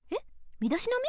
みだしなみ？